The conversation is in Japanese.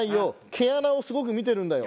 毛穴をすごく見てるんだよ。